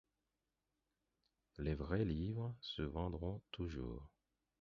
Les vrais livres se vendront toujours.